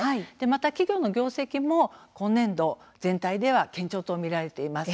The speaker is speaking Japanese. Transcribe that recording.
企業の業績も今年度堅調と見られています。